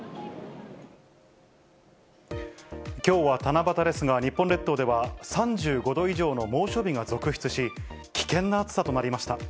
きょうは七夕ですが、日本列島では３５度以上の猛暑日が続出し、危険な暑さとなりました。